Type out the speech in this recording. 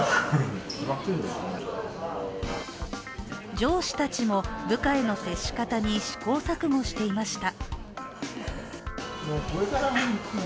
上司たちも、部下への接し方に試行錯誤していました。